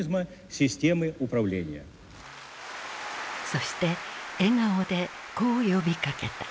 そして笑顔でこう呼びかけた。